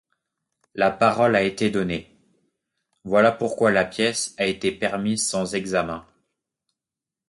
La parole a été donnée ; voilà pourquoi la pièce a été permise sans examen.